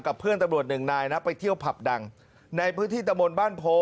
เพื่อนตำรวจหนึ่งนายนะไปเที่ยวผับดังในพื้นที่ตะมนต์บ้านโพ